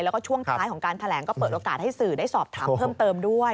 แล้วก็ช่วงท้ายของการแถลงก็เปิดโอกาสให้สื่อได้สอบถามเพิ่มเติมด้วย